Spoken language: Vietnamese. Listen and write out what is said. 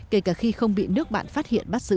kể cả khi không bị nước bạn phát hiện bắt giữ